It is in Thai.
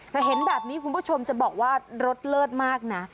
แต่เห็นแบบนี้คุณผู้ชมจะบอกว่ารสเลิศมากนะ